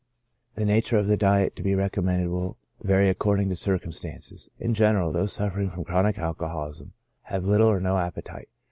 The nature of the diet to be recommended will vary according to circumstances. In general, those suffering from chronic alcoholism have little or no appetite.